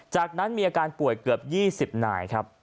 จากนั้นมีอาการป่วยเกือบ๒๐นายครับ